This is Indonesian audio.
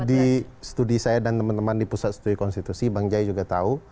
di studi saya dan teman teman di pusat studi konstitusi bang jaya juga tahu